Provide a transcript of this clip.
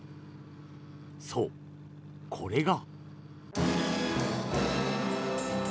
そう、これが。